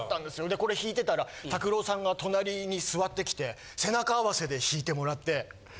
でこれ弾いてたらＴＡＫＵＲＯさんが隣に座ってきて背中合わせで弾いてもらって。